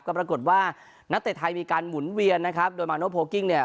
ก็ปรากฏว่านักเตะไทยมีการหมุนเวียนนะครับโดยมาโนโพลกิ้งเนี่ย